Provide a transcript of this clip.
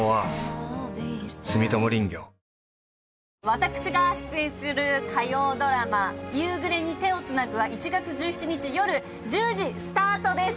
私が出演する火曜ドラマ「夕暮れに、手をつなぐ」は１月１７日よる１０時スタートです